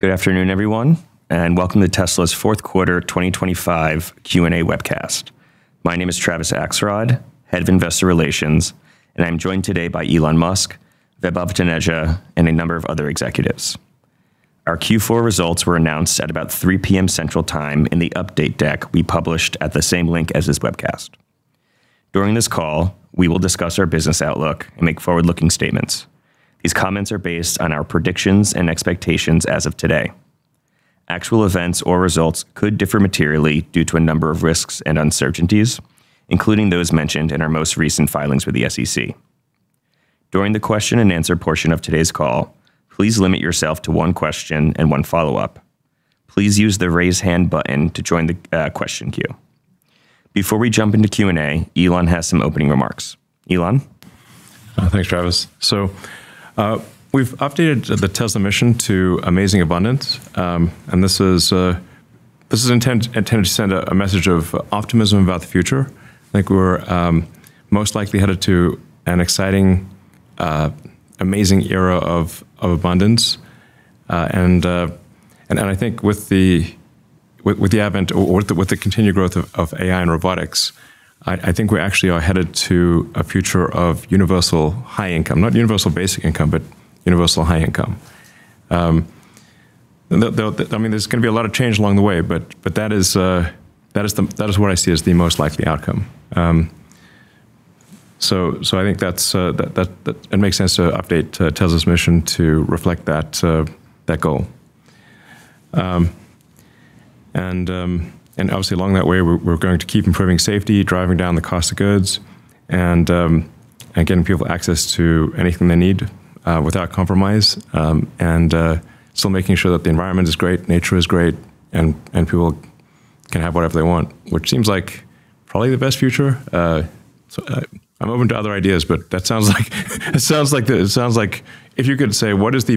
Good afternoon, everyone, and welcome to Tesla's fourth quarter 2025 Q&A webcast. My name is Travis Axelrod, Head of Investor Relations, and I'm joined today by Elon Musk, Vaibhav Taneja, and a number of other executives. Our Q4 results were announced at about 3 P.M. Central Time in the update deck we published at the same link as this webcast. During this call, we will discuss our business outlook and make forward-looking statements. These comments are based on our predictions and expectations as of today. Actual events or results could differ materially due to a number of risks and uncertainties, including those mentioned in our most recent filings with the SEC. During the question and answer portion of today's call, please limit yourself to one question and one follow-up. Please use the Raise Hand button to join the question queue. Before we jump into Q&A, Elon has some opening remarks. Elon? Thanks, Travis. So, we've updated the Tesla mission to amazing abundance, and this is intended to send a message of optimism about the future. I think we're most likely headed to an exciting, amazing era of abundance. And I think with the advent or with the continued growth of AI and robotics, I think we actually are headed to a future of universal high income. Not universal basic income, but universal high income. I mean, there's gonna be a lot of change along the way, but that is what I see as the most likely outcome. So I think that it makes sense to update Tesla's mission to reflect that goal. And obviously, along that way, we're going to keep improving safety, driving down the cost of goods, and getting people access to anything they need, without compromise. And still making sure that the environment is great, nature is great, and people can have whatever they want, which seems like probably the best future. So, I'm open to other ideas, but that sounds like it sounds like the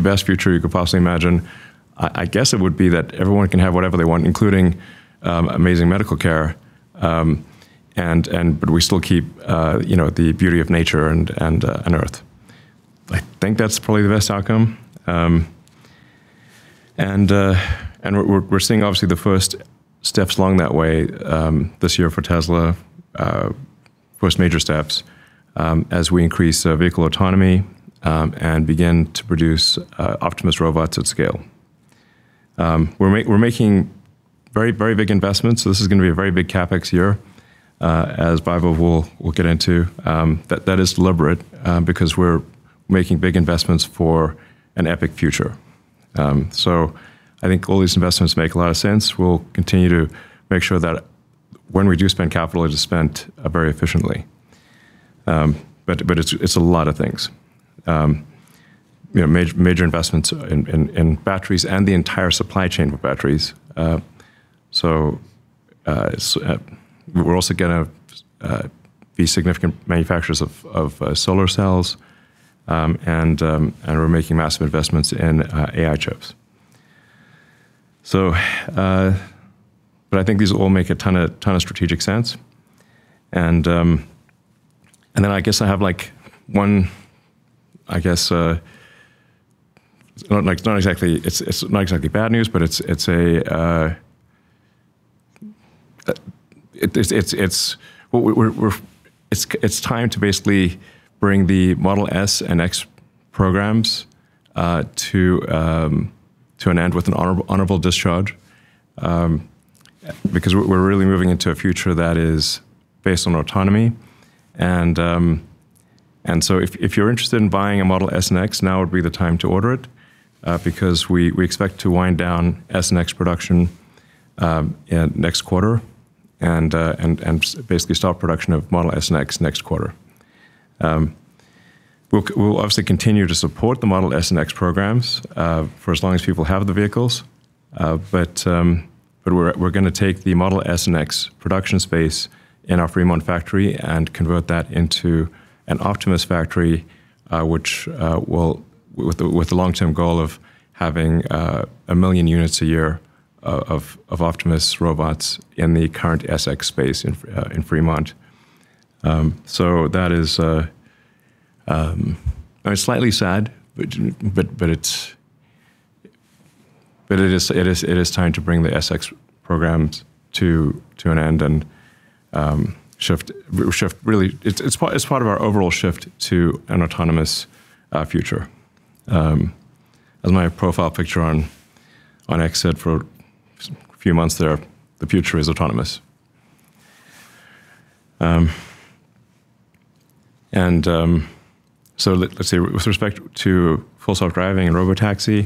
best future you could possibly imagine. I guess it would be that everyone can have whatever they want, including amazing medical care, and but we still keep, you know, the beauty of nature and Earth. I think that's probably the best outcome. And we're seeing obviously the first steps along that way this year for Tesla, first major steps, as we increase vehicle autonomy and begin to produce Optimus robots at scale. We're making very, very big investments, so this is gonna be a very big CapEx year, as Vaibhav will get into. That is deliberate, because we're making big investments for an epic future. So I think all these investments make a lot of sense. We'll continue to make sure that when we do spend capital, it is spent very efficiently. But it's a lot of things. You know, major investments in batteries and the entire supply chain for batteries. So, we're also gonna be significant manufacturers of solar cells, and we're making massive investments in AI chips. So, but I think these all make a ton of strategic sense. And then I guess I have, like, one... It's not like it's not exactly bad news, but it's a... it's time to basically bring the Model S and X programs to an end with an honorable discharge. Because we're really moving into a future that is based on autonomy and so if you're interested in buying a Model S and X, now would be the time to order it, because we expect to wind down S and X production in next quarter and basically stop production of Model S and X next quarter. We'll obviously continue to support the Model S and X programs for as long as people have the vehicles, but we're gonna take the Model S and X production space in our Fremont factory and convert that into an Optimus factory, which will... with the long-term goal of having 1 million units a year of Optimus robots in the current S/X space in Fremont. So that is slightly sad, but it is time to bring the S/X programs to an end and shift really, it's part of our overall shift to an autonomous future. As my profile picture on X said for a few months there, "The future is autonomous." And so let's say with respect to Full Self-Driving and Robotaxi,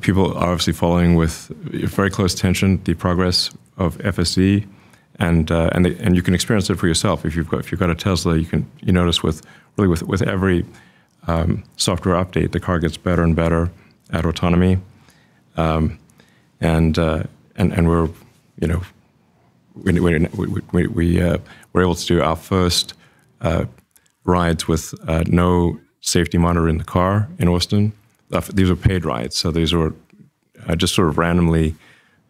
people are obviously following with very close attention the progress of FSD, and you can experience it for yourself. If you've got a Tesla, you can notice, really, with every software update, the car gets better and better at autonomy. And we're, you know, we're able to do our first rides with no safety monitor in the car in Austin. These were paid rides, so these were just sort of randomly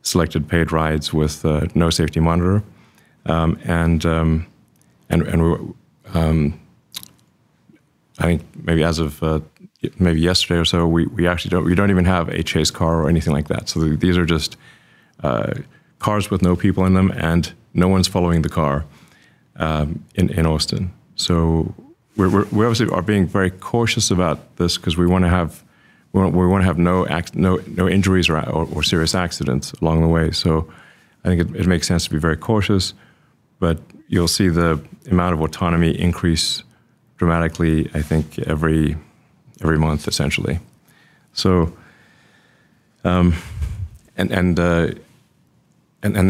selected paid rides with no safety monitor. I think maybe as of maybe yesterday or so, we actually don't even have a chase car or anything like that. So these are just cars with no people in them, and no one's following the car in Austin. So we're obviously being very cautious about this 'cause we wanna have no injuries or serious accidents along the way. So I think it makes sense to be very cautious, but you'll see the amount of autonomy increase dramatically, I think, every month, essentially. So and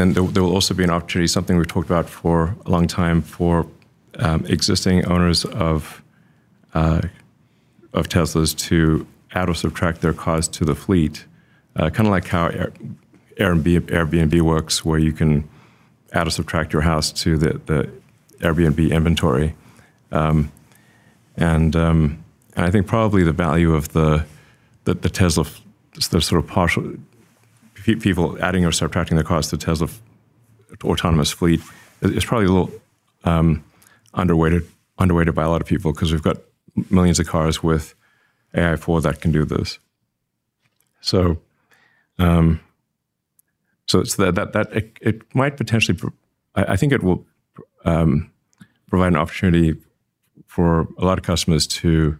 then there will also be an opportunity, something we've talked about for a long time, for existing owners of Teslas to add or subtract their cars to the fleet. Kinda like how Airbnb works, where you can add or subtract your house to the Airbnb inventory. And I think probably the value of the Tesla, the sort of partial people adding or subtracting their cars to Tesla autonomous fleet is probably a little underweighted by a lot of people 'cause we've got millions of cars with AI4 that can do this. So, it's that, it might potentially provide an opportunity for a lot of customers to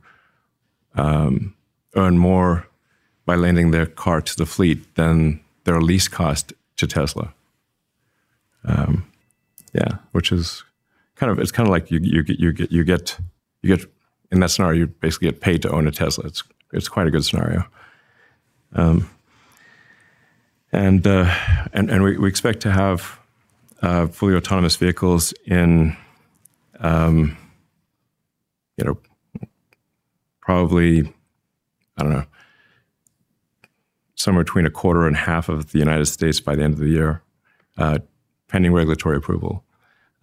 earn more by lending their car to the fleet than their lease cost to Tesla. Yeah, which is kind of... It's kinda like you get, in that scenario, you basically get paid to own a Tesla. It's quite a good scenario. And we expect to have fully autonomous vehicles in, you know, probably, I don't know, somewhere between a quarter and half of the United States by the end of the year, pending regulatory approval.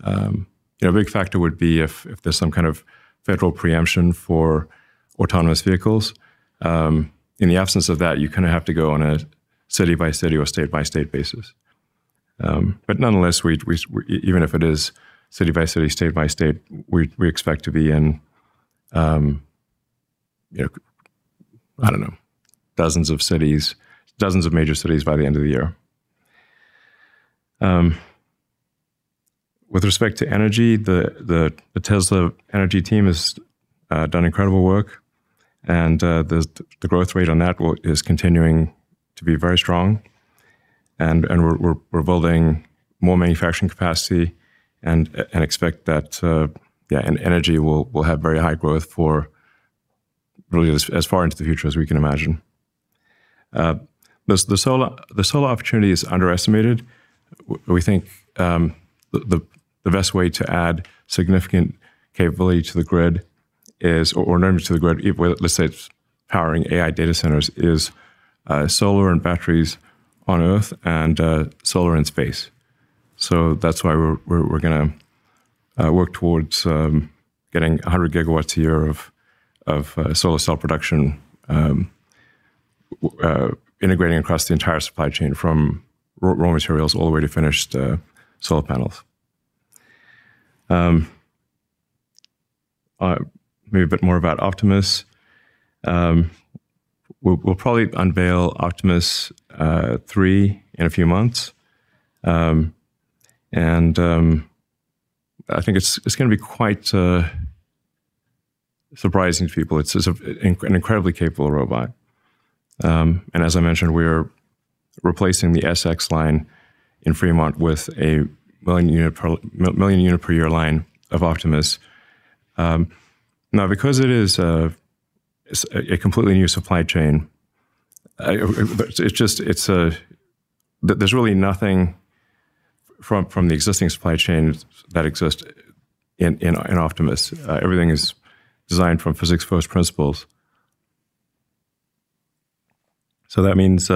You know, a big factor would be if there's some kind of federal preemption for autonomous vehicles. In the absence of that, you kinda have to go on a city-by-city or state-by-state basis. But nonetheless, we even if it is city by city, state by state, we expect to be in, you know, I don't know, dozens of cities, dozens of major cities by the end of the year. With respect to energy, the Tesla energy team has done incredible work, and the growth rate on that work is continuing to be very strong. We're building more manufacturing capacity and expect that energy will have very high growth for really as far into the future as we can imagine. The solar opportunity is underestimated. We think the best way to add significant capability to the grid is, or energy to the grid, let's say it's powering AI data centers, is solar and batteries on Earth and solar in space. So that's why we're gonna work towards getting 100 gigawatts a year of solar cell production, integrating across the entire supply chain, from raw materials all the way to finished solar panels. Maybe a bit more about Optimus. We'll probably unveil Optimus 3 in a few months. And I think it's gonna be quite surprising to people. It's an incredibly capable robot. And as I mentioned, we are replacing the S/X line in Fremont with a 1 million unit per year line of Optimus. Now, because it is a completely new supply chain, it's just, it's a... There's really nothing from the existing supply chain that exists in Optimus. Everything is designed from physics first principles. So that means,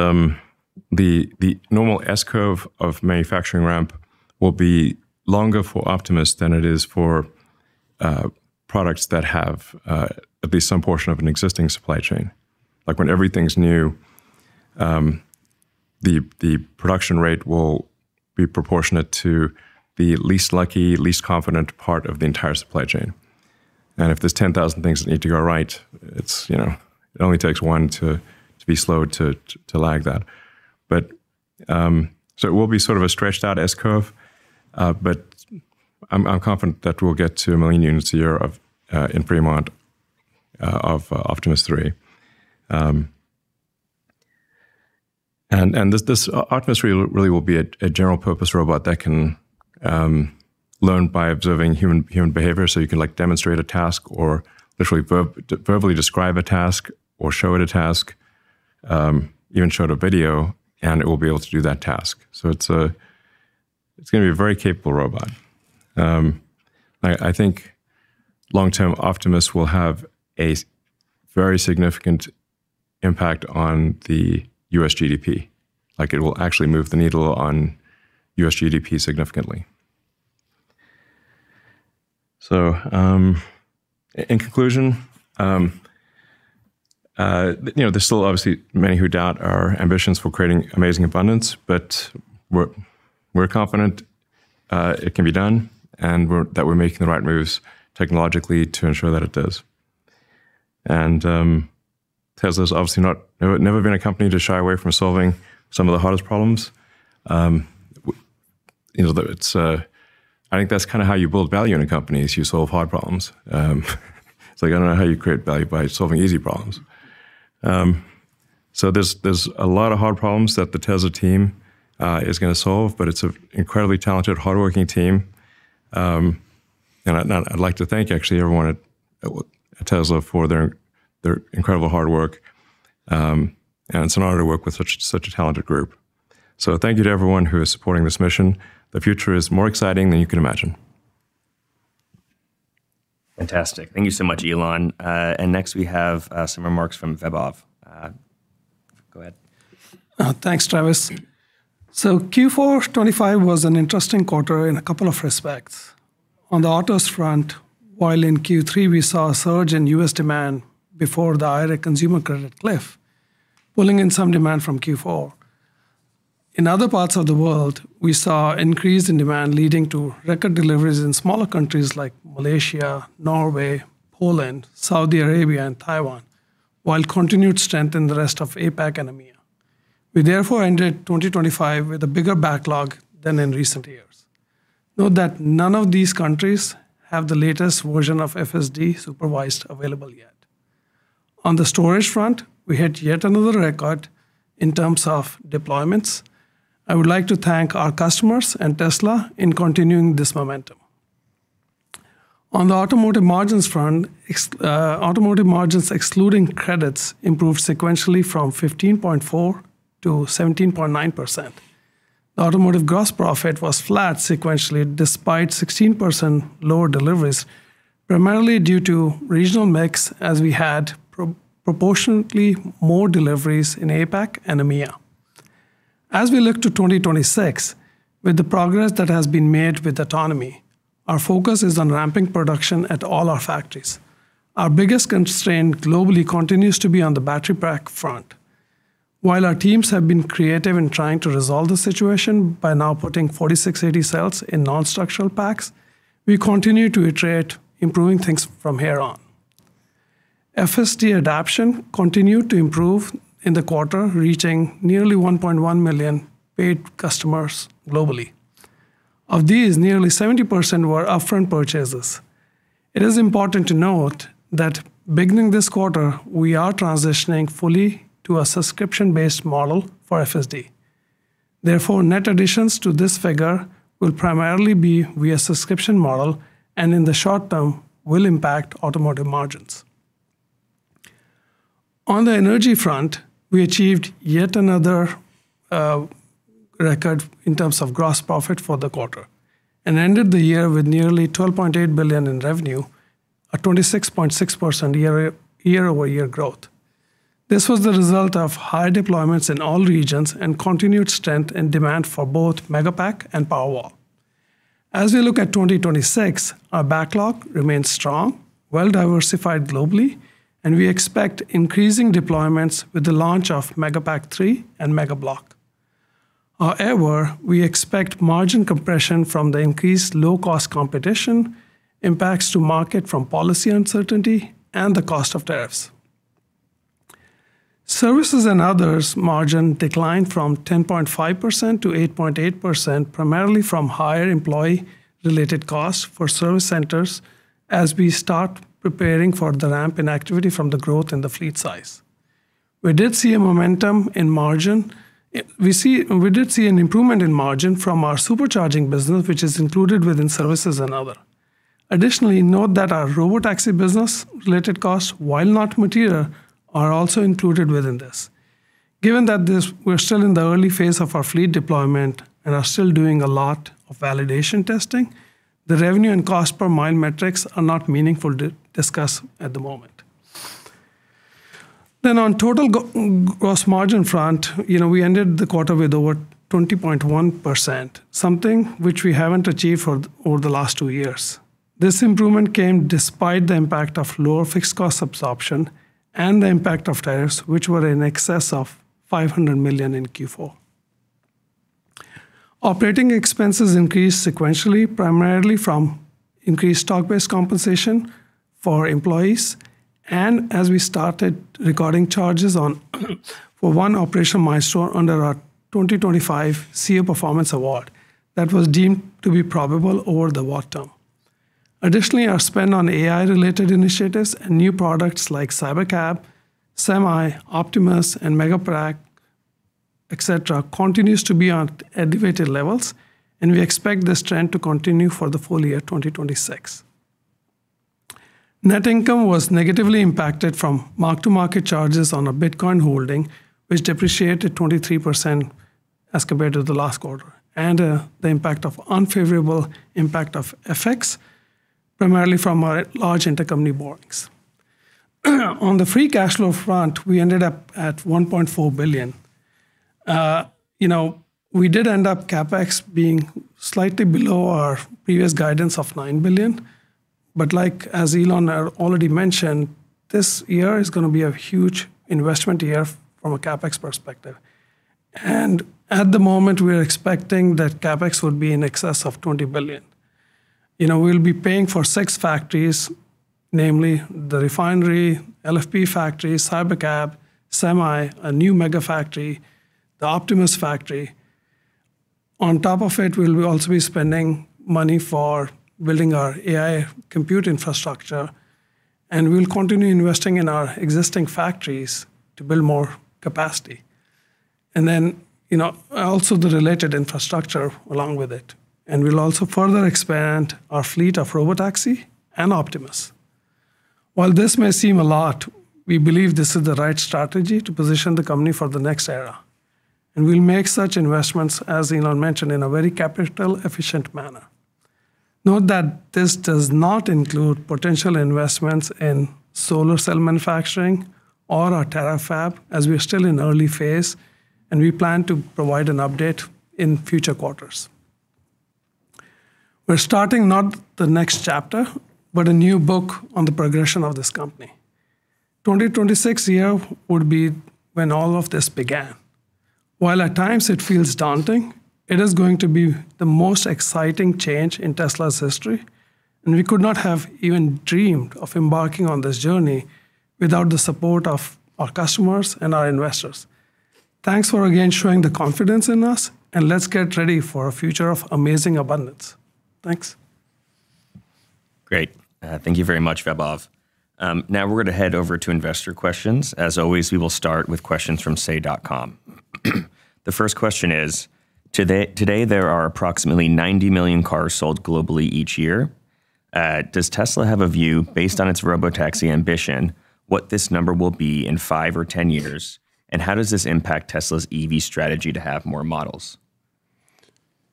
the normal S-curve of manufacturing ramp will be longer for Optimus than it is for products that have at least some portion of an existing supply chain. Like, when everything's new, the production rate will be proportionate to the least lucky, least confident part of the entire supply chain. And if there's 10,000 things that need to go right, it's, you know, it only takes one to be slow to lag that. But, so it will be sort of a stretched out S-curve, but I'm confident that we'll get to 1 million units a year of, in Fremont, of, Optimus 3. And this Optimus really, really will be a general purpose robot that can learn by observing human behavior. So you can, like, demonstrate a task or literally verbally describe a task or show it a task, even show it a video, and it will be able to do that task. So it's a... It's gonna be a very capable robot. I think long-term, Optimus will have a very significant impact on the U.S. GDP. Like, it will actually move the needle on U.S. GDP significantly. So, in conclusion,... You know, there's still obviously many who doubt our ambitions for creating amazing abundance, but we're confident it can be done, and that we're making the right moves technologically to ensure that it does. And Tesla's obviously not, never, never been a company to shy away from solving some of the hardest problems. You know, that it's, I think that's kind of how you build value in a company is you solve hard problems. It's like I don't know how you create value by solving easy problems. So there's a lot of hard problems that the Tesla team is gonna solve, but it's an incredibly talented, hardworking team. And I'd like to thank actually everyone at Tesla for their incredible hard work. It's an honor to work with such a talented group. Thank you to everyone who is supporting this mission. The future is more exciting than you can imagine. Fantastic. Thank you so much, Elon. Next, we have some remarks from Vaibhav. Go ahead. Thanks, Travis. So Q4 2025 was an interesting quarter in a couple of respects. On the autos front, while in Q3, we saw a surge in U.S. demand before the higher consumer credit cliff, pulling in some demand from Q4. In other parts of the world, we saw increase in demand, leading to record deliveries in smaller countries like Malaysia, Norway, Poland, Saudi Arabia, and Taiwan, while continued strength in the rest of APAC and EMEA. We therefore ended 2025 with a bigger backlog than in recent years. Note that none of these countries have the latest version of FSD Supervised available yet. On the storage front, we had yet another record in terms of deployments. I would like to thank our customers and Tesla in continuing this momentum. On the automotive margins front, automotive margins, excluding credits, improved sequentially from 15.4% to 17.9%. The automotive gross profit was flat sequentially, despite 16% lower deliveries, primarily due to regional mix, as we had proportionately more deliveries in APAC and EMEA. As we look to 2026, with the progress that has been made with autonomy, our focus is on ramping production at all our factories. Our biggest constraint globally continues to be on the battery pack front. While our teams have been creative in trying to resolve the situation by now putting 4680 cells in non-structural packs, we continue to iterate improving things from here on. FSD adoption continued to improve in the quarter, reaching nearly 1.1 million paid customers globally. Of these, nearly 70% were upfront purchases. It is important to note that beginning this quarter, we are transitioning fully to a subscription-based model for FSD. Therefore, net additions to this figure will primarily be via subscription model and in the short term, will impact automotive margins. On the energy front, we achieved yet another record in terms of gross profit for the quarter and ended the year with nearly $12.8 billion in revenue at 26.6% year-over-year growth. This was the result of high deployments in all regions and continued strength and demand for both Megapack and Powerwall. As we look at 2026, our backlog remains strong, well-diversified globally, and we expect increasing deployments with the launch of Megapack 3 and Megablock. However, we expect margin compression from the increased low-cost competition, impacts to market from policy uncertainty, and the cost of tariffs. Services and Others margin declined from 10.5% to 8.8%, primarily from higher employee-related costs for service centers as we start preparing for the ramp in activity from the growth in the fleet size. We did see a momentum in margin, we did see an improvement in margin from our Supercharging business, which is included within services and other. Additionally, note that our Robotaxi business-related costs, while not material, are also included within this. Given that this, we're still in the early phase of our fleet deployment and are still doing a lot of validation testing, the revenue and cost per mile metrics are not meaningful to discuss at the moment. Then on total gross margin front, you know, we ended the quarter with over 20.1%, something which we haven't achieved for over the last two years. This improvement came despite the impact of lower fixed cost absorption and the impact of tariffs, which were in excess of $500 million in Q4. Operating expenses increased sequentially, primarily from increased stock-based compensation for employees, and as we started recording charges on for one operational milestone under our 2025 CEO Performance Award, that was deemed to be probable over the award term. Additionally, our spend on AI-related initiatives and new products like Cybercab, Semi, Optimus, and Megapack, etc., continues to be on elevated levels, and we expect this trend to continue for the full year 2026. Net income was negatively impacted from mark-to-market charges on a Bitcoin holding, which depreciated 23% as compared to the last quarter, and, the impact of unfavorable impact of FX, primarily from our large intercompany borrowings. On the free cash flow front, we ended up at $1.4 billion. You know, we did end up CapEx being slightly below our previous guidance of $9 billion. But like, as Elon already mentioned, this year is going to be a huge investment year from a CapEx perspective. And at the moment, we are expecting that CapEx will be in excess of $20 billion. You know, we'll be paying for 6 factories, namely the refinery, LFP factory, Cybercab, Semi, a new Megafactory, the Optimus factory. On top of it, we'll also be spending money for building our AI compute infrastructure, and we'll continue investing in our existing factories to build more capacity, and then, you know, also the related infrastructure along with it. And we'll also further expand our fleet of Robotaxi and Optimus. While this may seem a lot, we believe this is the right strategy to position the company for the next era, and we'll make such investments, as Elon mentioned, in a very capital-efficient manner. Note that this does not include potential investments in solar cell manufacturing or our Terafab, as we're still in early phase, and we plan to provide an update in future quarters. We're starting not the next chapter, but a new book on the progression of this company. 2026 year would be when all of this began. While at times it feels daunting, it is going to be the most exciting change in Tesla's history, and we could not have even dreamed of embarking on this journey without the support of our customers and our investors. Thanks for again showing the confidence in us, and let's get ready for a future of amazing abundance. Thanks. Great. Thank you very much, Vaibhav. Now we're going to head over to investor questions. As always, we will start with questions from Say.com. The first question is, "Today, today, there are approximately 90 million cars sold globally each year. Does Tesla have a view, based on its Robotaxi ambition, what this number will be in 5 or 10 years, and how does this impact Tesla's EV strategy to have more models?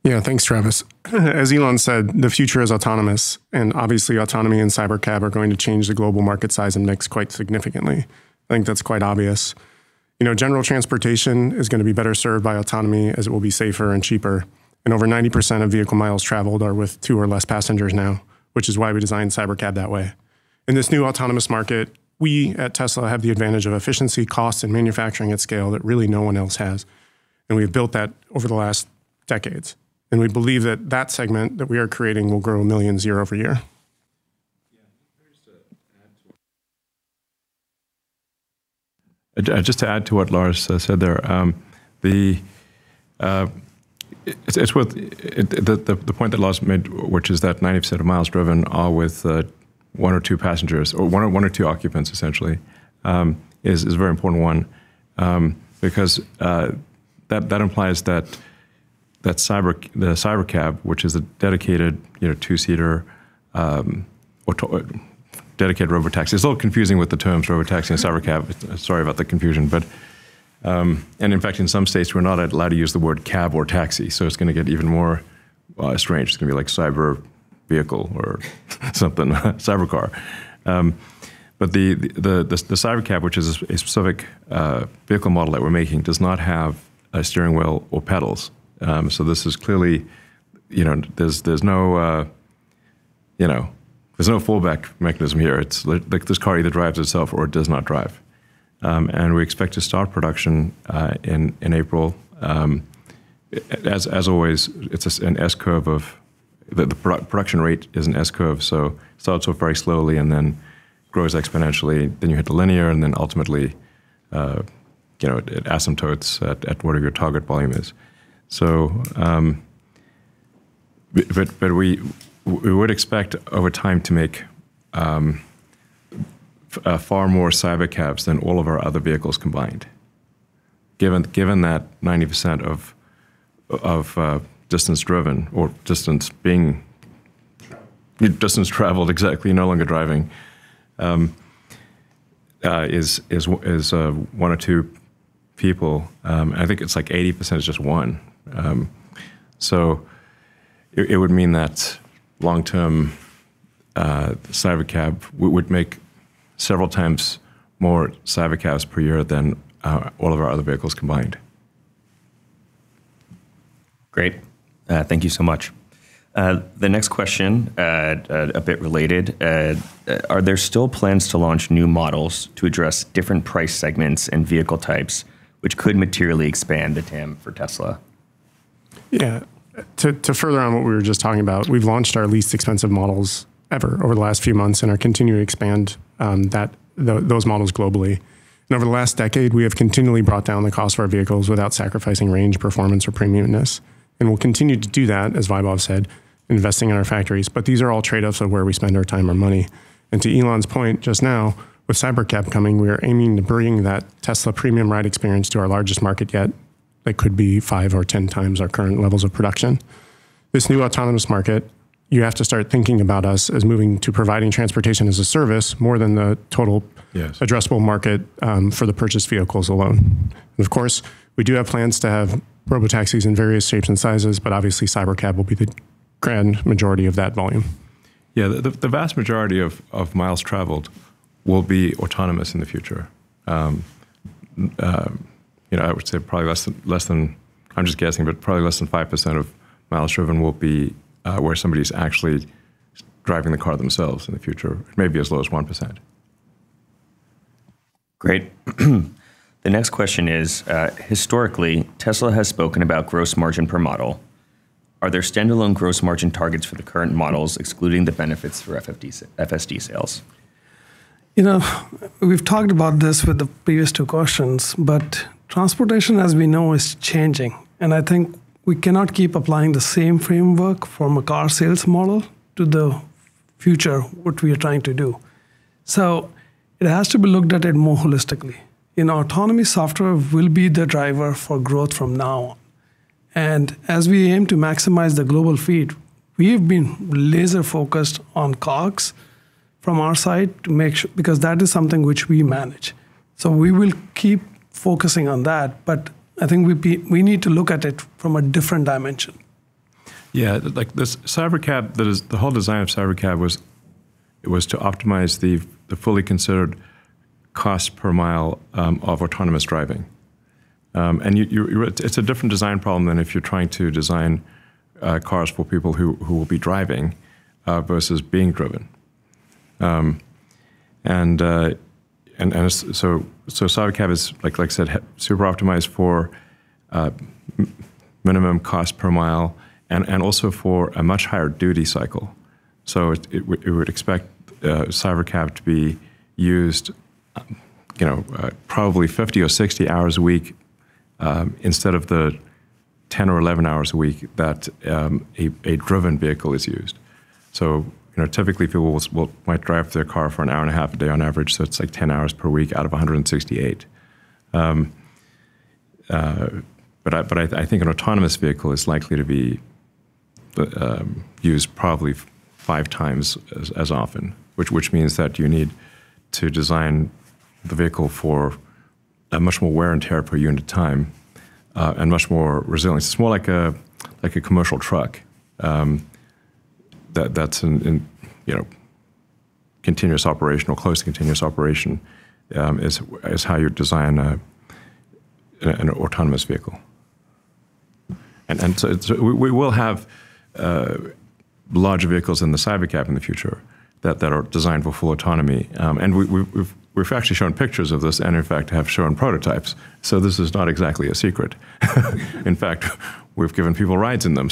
Yeah. Thanks, Travis. As Elon said, the future is autonomous, and obviously, autonomy and Cybercab are going to change the global market size and mix quite significantly. I think that's quite obvious. You know, general transportation is gonna be better served by autonomy, as it will be safer and cheaper, and over 90% of vehicle miles traveled are with two or less passengers now, which is why we designed Cybercab that way. In this new autonomous market, we at Tesla have the advantage of efficiency, cost, and manufacturing at scale that really no one else has, and we've built that over the last decades, and we believe that that segment that we are creating will grow millions year-over-year. Yeah. Just to add to what Lars said there, it's worth the point that Lars made, which is that 90% of miles driven are with one or two passengers, or one or two occupants, essentially, is a very important one. Because that implies that the Cybercab, which is a dedicated, you know, two-seater or dedicated Robotaxi. It's a little confusing with the terms Robotaxi and Cybercab. Sorry about the confusion, but... And in fact, in some states, we're not allowed to use the word cab or taxi, so it's gonna get even more strange. It's gonna be like Cyber vehicle or something, Cybercar. But the Cybercab, which is a specific vehicle model that we're making, does not have a steering wheel or pedals. So this is clearly, you know, there's no fallback mechanism here. It's like this car either drives itself or it does not drive. And we expect to start production in April. As always, it's an S-curve of... The production rate is an S-curve, so starts off very slowly and then grows exponentially, then you hit the linear, and then ultimately, you know, it asymptotes at whatever your target volume is. So, but we would expect over time to make a far more Cybercabs than all of our other vehicles combined, given that 90% of distance driven or distance being- Traveled. -distance traveled, exactly, no longer driving, is one or two people. I think it's like 80% is just one. So it would mean that long-term, Cybercab, we would make several times more Cybercabs per year than all of our other vehicles combined. Great. Thank you so much. The next question, a bit related, "Are there still plans to launch new models to address different price segments and vehicle types which could materially expand the TAM for Tesla? Yeah. To further on what we were just talking about, we've launched our least expensive models ever over the last few months and are continuing to expand that, those models globally. And over the last decade, we have continually brought down the cost of our vehicles without sacrificing range, performance, or premiumness, and we'll continue to do that, as Vaibhav said, investing in our factories, but these are all trade-offs of where we spend our time or money. And to Elon's point, just now, with Cybercab coming, we are aiming to bring that Tesla premium ride experience to our largest market yet. That could be 5 or 10 times our current levels of production. This new autonomous market, you have to start thinking about us as moving to providing transportation as a service more than the total- Yes... addressable market, for the purchased vehicles alone. Of course, we do have plans to have Robotaxis in various shapes and sizes, but obviously, Cybercab will be the grand majority of that volume. Yeah, the vast majority of miles traveled will be autonomous in the future. You know, I would say probably less than – I'm just guessing, but probably less than 5% of miles driven will be where somebody's actually driving the car themselves in the future. Maybe as low as 1%. Great. The next question is, historically, Tesla has spoken about gross margin per model. Are there standalone gross margin targets for the current models, excluding the benefits for FSD sales? You know, we've talked about this with the previous two questions, but transportation, as we know, is changing, and I think we cannot keep applying the same framework from a car sales model to the future, what we are trying to do. So it has to be looked at it more holistically. You know, autonomy software will be the driver for growth from now on. And as we aim to maximize the global fleet, we've been laser-focused on COGS from our side to make sure, because that is something which we manage. So we will keep focusing on that, but I think we need to look at it from a different dimension. Yeah, like, this Cybercab, that is, the whole design of Cybercab was, it was to optimize the, the fully considered cost per mile, of autonomous driving. And you, you, you're-- it's a different design problem than if you're trying to design, cars for people who, who will be driving, versus being driven. And, and, and so, so Cybercab is, like, like I said, super optimized for, minimum cost per mile and, and also for a much higher duty cycle. So it, we, we would expect, Cybercab to be used, you know, probably 50 or 60 hours a week, instead of the 10 or 11 hours a week that, a, a driven vehicle is used. So, you know, typically, people will might drive their car for an hour and a half a day on average, so it's like 10 hours per week out of 168. But I think an autonomous vehicle is likely to be used probably five times as often, which means that you need to design the vehicle for much more wear and tear per unit of time and much more resilience. It's more like a commercial truck that's in continuous operation or close to continuous operation. That's how you design an autonomous vehicle. So we will have larger vehicles than the Cybercab in the future that are designed for full autonomy. And we've actually shown pictures of this, and in fact, have shown prototypes, so this is not exactly a secret. In fact, we've given people rides in them.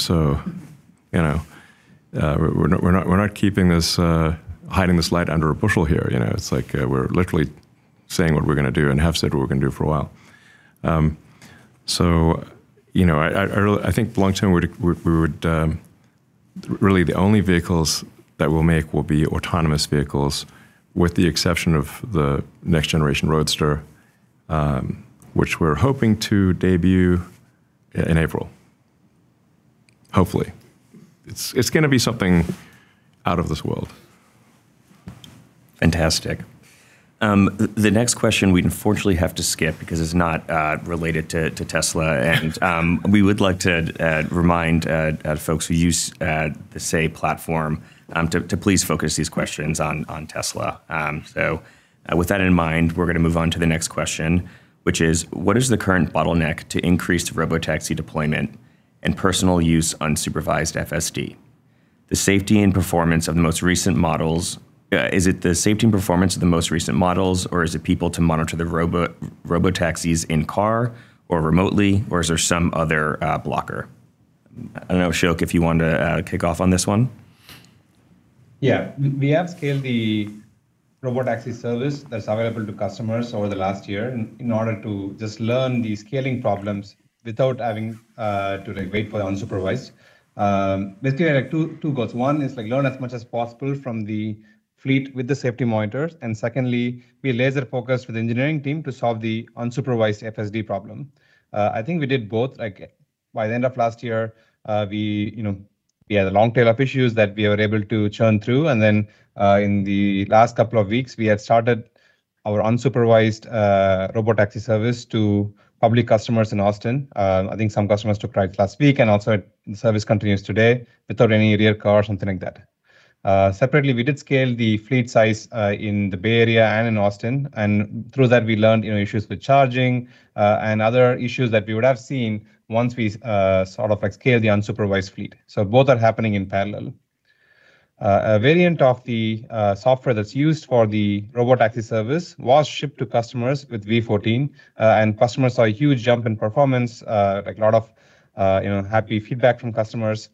So, you know, we're not keeping this, hiding this light under a bushel here. You know, it's like, we're literally saying what we're gonna do and have said what we're gonna do for a while. So, you know, I really think long term, we would really, the only vehicles that we'll make will be autonomous vehicles, with the exception of the next generation Roadster, which we're hoping to debut in April. Hopefully. It's gonna be something out of this world. Fantastic. The next question we'd unfortunately have to skip because it's not related to Tesla, and we would like to remind folks who use the Say Platform to please focus these questions on Tesla. So, with that in mind, we're gonna move on to the next question, which is: What is the current bottleneck to increase robotaxi deployment and personal use unsupervised FSD? The safety and performance of the most recent models, is it the safety and performance of the most recent models, or is it people to monitor the robotaxis in-car or remotely, or is there some other blocker? I don't know, Ashok, if you wanted to kick off on this one. Yeah. We have scaled the robotaxi service that's available to customers over the last year in order to just learn the scaling problems without having to like wait for the unsupervised. Basically, I had two, two goals. One is, like, learn as much as possible from the fleet with the safety monitors, and secondly, be laser focused with the engineering team to solve the unsupervised FSD problem. I think we did both. Like, by the end of last year, we, you know, we had a long tail of issues that we were able to churn through, and then, in the last couple of weeks, we had started our unsupervised robotaxi service to public customers in Austin. I think some customers took rides last week, and also the service continues today without any rear car or something like that. Separately, we did scale the fleet size in the Bay Area and in Austin, and through that, we learned, you know, issues with charging and other issues that we would have seen once we sort of like scaled the unsupervised fleet. So both are happening in parallel. A variant of the software that's used for the robotaxi service was shipped to customers with V14, and customers saw a huge jump in performance, like a lot of, you know, happy feedback from customers.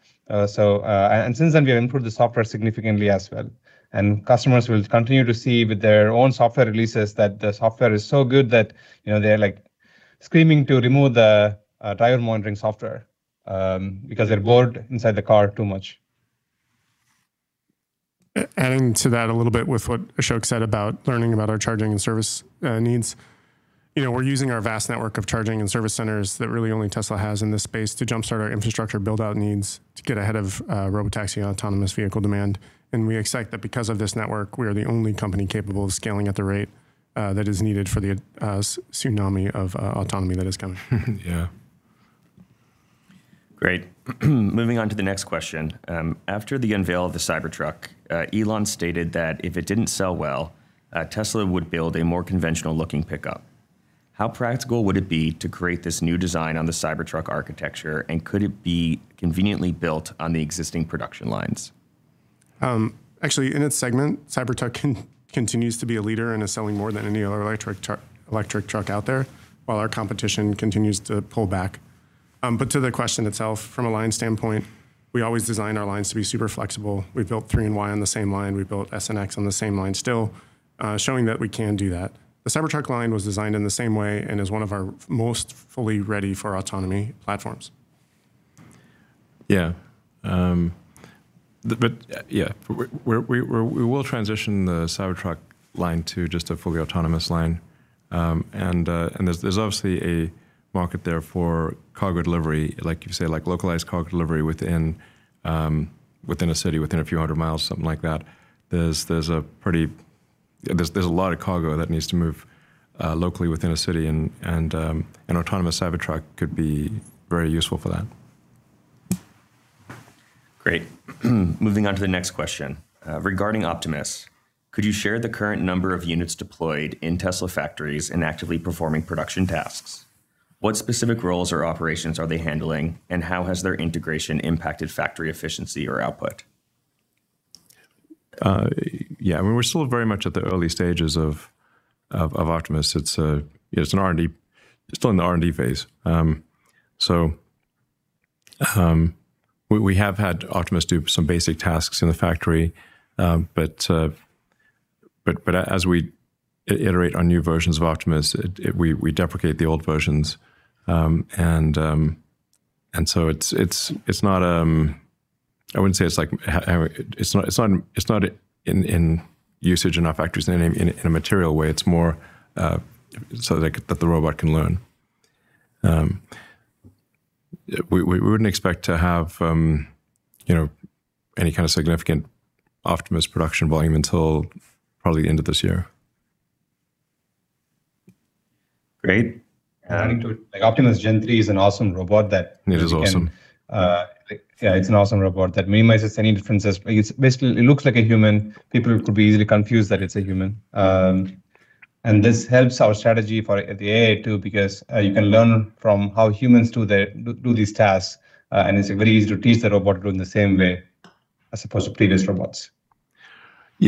So, and since then, we have improved the software significantly as well. And customers will continue to see with their own software releases that the software is so good that, you know, they're like screaming to remove the tire monitoring software because they're bored inside the car too much. Adding to that a little bit with what Ashok said about learning about our charging and service needs. You know, we're using our vast network of charging and service centers that really only Tesla has in this space to jumpstart our infrastructure build-out needs to get ahead of robotaxi and autonomous vehicle demand. And we expect that because of this network, we are the only company capable of scaling at the rate that is needed for the tsunami of autonomy that is coming. Yeah. Great. Moving on to the next question. After the unveil of the Cybertruck, Elon stated that if it didn't sell well, Tesla would build a more conventional-looking pickup. How practical would it be to create this new design on the Cybertruck architecture, and could it be conveniently built on the existing production lines? Actually, in its segment, Cybertruck continues to be a leader and is selling more than any other electric truck out there, while our competition continues to pull back. But to the question itself, from a line standpoint, we always design our lines to be super flexible. We built 3 and Y on the same line. We built S and X on the same line, still, showing that we can do that. The Cybertruck line was designed in the same way and is one of our most fully ready-for-autonomy platforms. Yeah. But yeah, we will transition the Cybertruck line to just a fully autonomous line. And there's obviously a market there for cargo delivery, like you say, like localized cargo delivery within a city, within a few hundred miles, something like that. There's a pretty... There's a lot of cargo that needs to move locally within a city and an autonomous Cybertruck could be very useful for that. Great. Moving on to the next question. Regarding Optimus, could you share the current number of units deployed in Tesla factories and actively performing production tasks? What specific roles or operations are they handling, and how has their integration impacted factory efficiency or output? Yeah, I mean, we're still very much at the early stages of Optimus. It's an R&D. It's still in the R&D phase. So, we have had Optimus do some basic tasks in the factory, but as we iterate on new versions of Optimus, we deprecate the old versions. And so it's not. I wouldn't say it's like. It's not in usage in our factories in a material way. It's more so that the robot can learn. We wouldn't expect to have, you know, any kind of significant Optimus production volume until probably the end of this year. Great, and- Adding to it, like, Optimus Gen 3 is an awesome robot that- It is awesome. Yeah, it's an awesome robot that minimizes any differences. It's basically, it looks like a human. People could be easily confused that it's a human. And this helps our strategy for the AI, too, because you can learn from how humans do these tasks, and it's very easy to teach the robot to do in the same way as opposed to previous robots.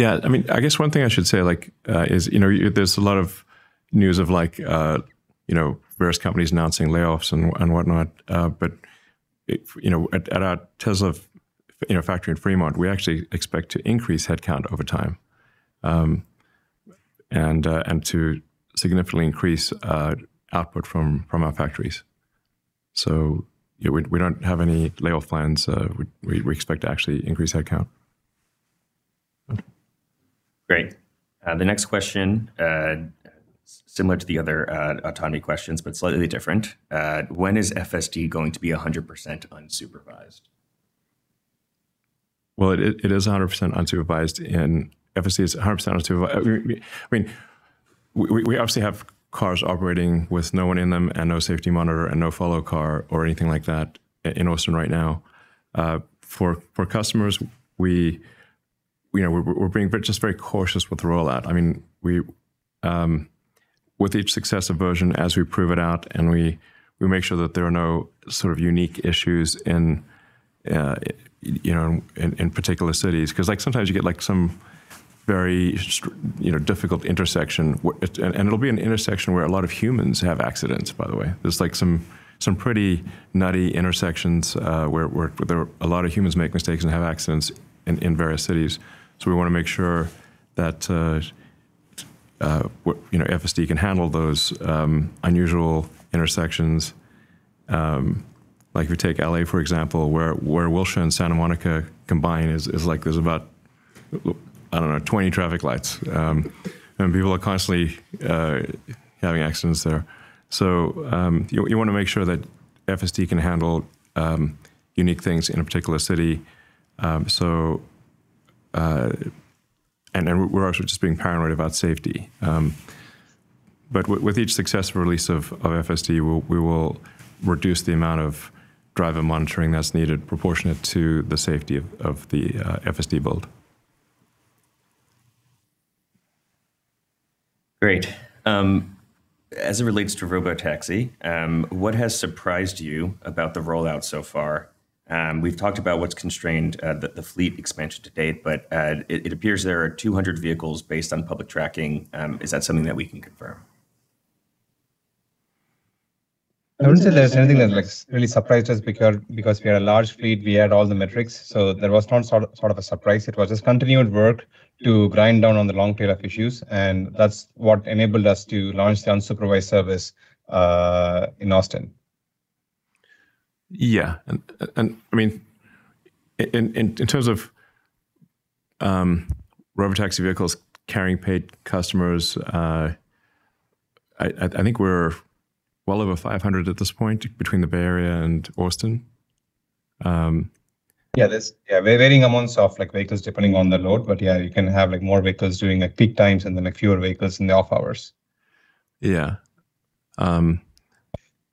Yeah, I mean, I guess one thing I should say, like, is, you know, there's a lot of news of like, you know, various companies announcing layoffs and whatnot, but, you know, at our Tesla factory in Fremont, we actually expect to increase headcount over time, and to significantly increase output from our factories. So yeah, we don't have any layoff plans. We expect to actually increase headcount. Great. The next question, similar to the other, autonomy questions, but slightly different. When is FSD going to be 100% unsupervised? Well, it is 100% unsupervised. FSD is 100% unsupervised. I mean, we obviously have cars operating with no one in them and no safety monitor and no follow car or anything like that in Austin right now. For customers, you know, we're being very, just very cautious with the rollout. I mean, with each successive version, as we prove it out and we make sure that there are no sort of unique issues in, you know, in particular cities, 'cause, like, sometimes you get, like, some very, you know, difficult intersection, and it'll be an intersection where a lot of humans have accidents, by the way. There's, like, some pretty nutty intersections where there are a lot of humans make mistakes and have accidents in various cities. So we want to make sure that, you know, FSD can handle those unusual intersections. Like if you take L.A., for example, where Wilshire and Santa Monica combine is like there's about, I don't know, 20 traffic lights, and people are constantly having accidents there. So, you want to make sure that FSD can handle unique things in a particular city, so... And we're also just being paranoid about safety. But with each successful release of FSD, we will reduce the amount of driver monitoring that's needed, proportionate to the safety of the FSD build. Great. As it relates to Robotaxi, what has surprised you about the rollout so far? We've talked about what's constrained the fleet expansion to date, but it appears there are 200 vehicles based on public tracking. Is that something that we can confirm? I wouldn't say there's anything that, like, really surprised us, because, because we are a large fleet, we had all the metrics, so there was no sort of, sort of a surprise. It was just continued work to grind down on the long tail of issues, and that's what enabled us to launch the unsupervised service in Austin. Yeah, and I mean, in terms of Robotaxi vehicles carrying paid customers, I think we're well over 500 at this point between the Bay Area and Austin. Yeah, there's yeah, varying amounts of like vehicles, depending on the load, but yeah, you can have like more vehicles during like peak times and then like fewer vehicles in the off hours. Yeah.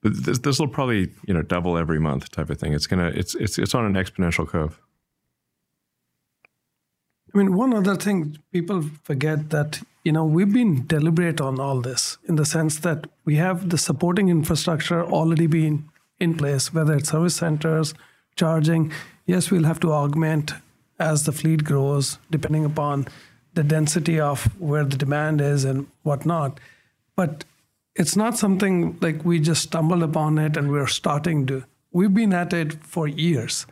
This will probably, you know, double every month type of thing. It's gonna, it's on an exponential curve. I mean, one other thing, people forget that, you know, we've been deliberate on all this, in the sense that we have the supporting infrastructure already been in place, whether it's service centers, charging. Yes, we'll have to augment as the fleet grows, depending upon the density of where the demand is and whatnot, but it's not something like we just stumbled upon it, and we're starting to... We've been at it for years.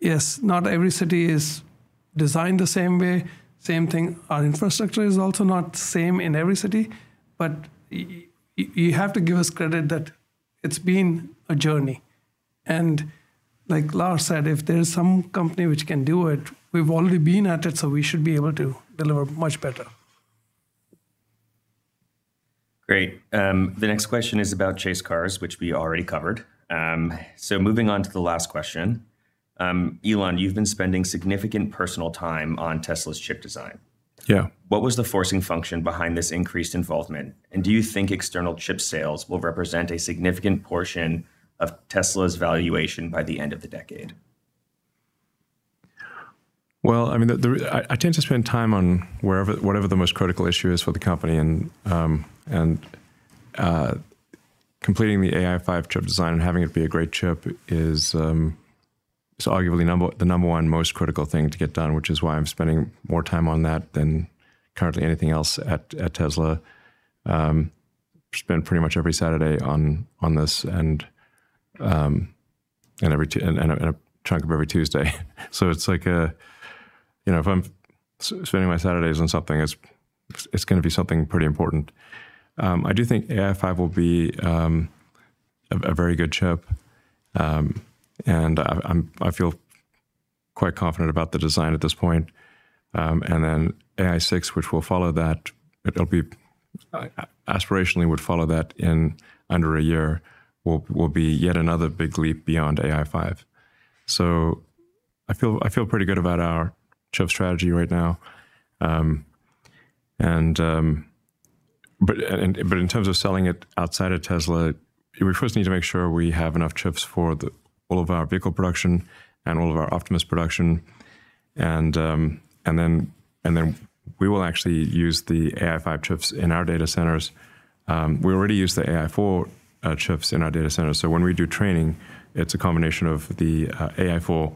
Yes, not every city is designed the same way. Same thing, our infrastructure is also not the same in every city, but you have to give us credit that it's been a journey. And like Lars said, if there's some company which can do it, we've already been at it, so we should be able to deliver much better. Great. The next question is about chase cars, which we already covered. So moving on to the last question, Elon, you've been spending significant personal time on Tesla's chip design. Yeah. What was the forcing function behind this increased involvement? And do you think external chip sales will represent a significant portion of Tesla's valuation by the end of the decade? Well, I mean, I tend to spend time on whatever the most critical issue is for the company, and completing the AI5 chip design and having it be a great chip is arguably the number one most critical thing to get done, which is why I'm spending more time on that than currently anything else at Tesla. Spend pretty much every Saturday on this and a chunk of every Tuesday. So it's like a... You know, if I'm spending my Saturdays on something, it's gonna be something pretty important. I do think AI5 will be a very good chip, and I'm quite confident about the design at this point. And then AI6, which will follow that, it'll be aspirationally would follow that in under a year, will, will be yet another big leap beyond AI5. So I feel pretty good about our chip strategy right now. But in terms of selling it outside of Tesla, we first need to make sure we have enough chips for all of our vehicle production and all of our Optimus production. And then we will actually use the AI5 chips in our data centers. We already use the AI4 chips in our data centers. So when we do training, it's a combination of the AI4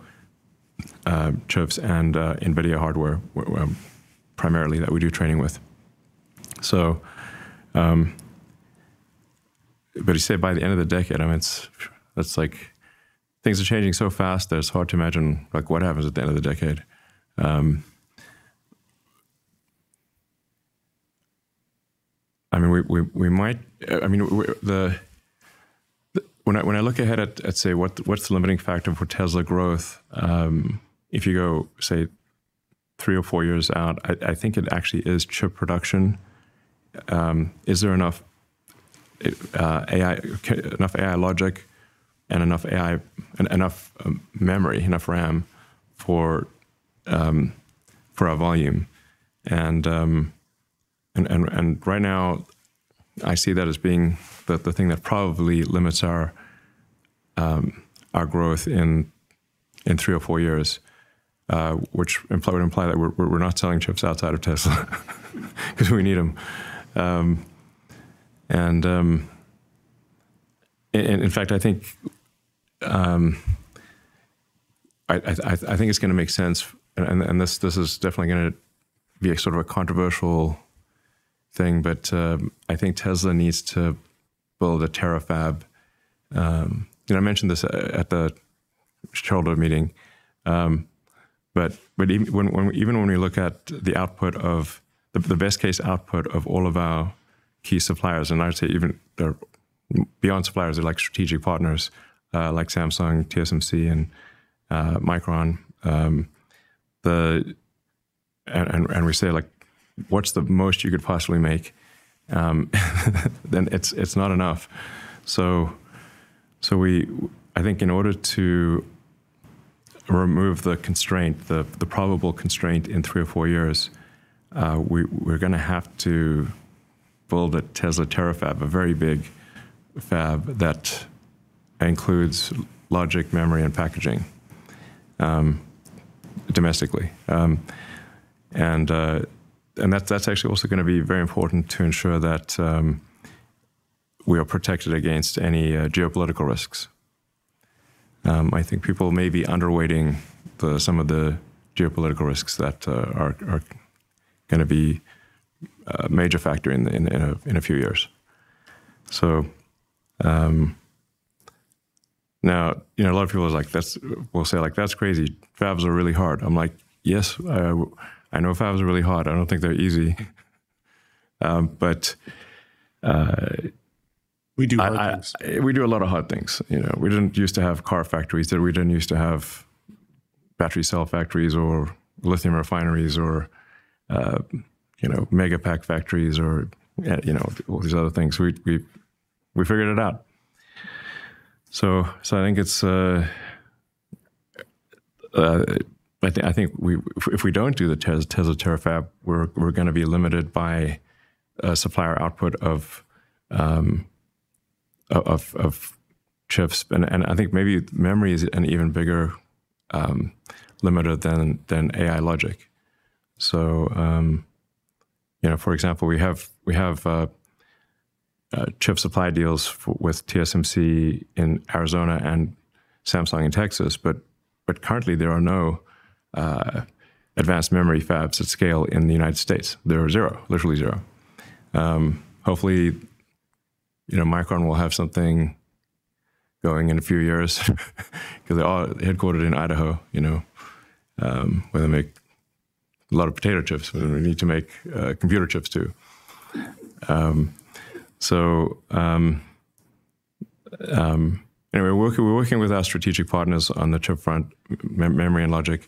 chips and NVIDIA hardware, primarily that we do training with. So, but you say by the end of the decade, I mean, it's like things are changing so fast that it's hard to imagine, like, what happens at the end of the decade. I mean, we might... I mean, when I look ahead at, say, what's the limiting factor for Tesla growth, if you go, say, three or four years out, I think it actually is chip production. Is there enough AI, okay, enough AI logic and enough AI, and enough memory, enough RAM for our volume? And right now, I see that as being the thing that probably limits our growth in three or four years, which probably would imply that we're not selling chips outside of Tesla, because we need them. And in fact, I think it's gonna make sense, and this is definitely gonna be a sort of a controversial thing, but I think Tesla needs to build a Terafab. You know, I mentioned this at the shareholder meeting, but even when we look at the best case output of all of our key suppliers, and I'd say even they're beyond suppliers, they're like strategic partners, like Samsung, TSMC, and Micron, and we say, like: "What's the most you could possibly make?" Then it's not enough. So I think in order to remove the constraint, the probable constraint in three or four years, we are gonna have to build a Tesla Terafab, a very big fab that includes logic, memory, and packaging, domestically. And that's actually also gonna be very important to ensure that we are protected against any geopolitical risks. I think people may be underweighting some of the geopolitical risks that are gonna be a major factor in a few years. So, now, you know, a lot of people are like, "That's crazy. Fabs are really hard." I'm like: "Yes, I know fabs are really hard. I don't think they're easy." But, We do hard things. We do a lot of hard things. You know, we didn't used to have car factories, that we didn't use to have battery cell factories or lithium refineries or, you know, Megapack factories or, you know, all these other things. We figured it out. So I think we-- if we don't do the Tesla Terafab, we're gonna be limited by supplier output of chips. And I think maybe memory is an even bigger limiter than AI logic. So you know, for example, we have chip supply deals with TSMC in Arizona and Samsung in Texas, but currently there are no advanced memory fabs at scale in the United States. There are zero, literally zero. Hopefully, you know, Micron will have something going in a few years, because they're all headquartered in Idaho, you know, where they make a lot of potato chips, but they need to make computer chips, too. So, anyway, we're working with our strategic partners on the chip front, memory and logic,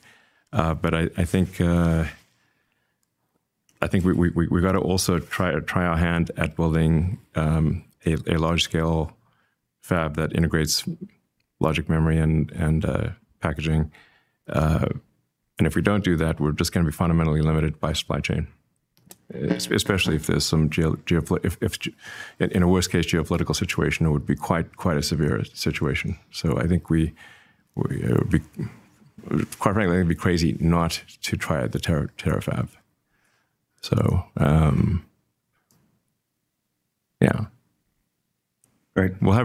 but I think we've got to also try our hand at building a large-scale fab that integrates logic, memory, and packaging. And if we don't do that, we're just gonna be fundamentally limited by supply chain, especially if there's some geo- in a worst-case geopolitical situation, it would be quite a severe situation. So I think -- quite frankly, it'd be crazy not to try the Terafab. Yeah. Great. We'll